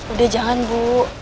udah jangan bu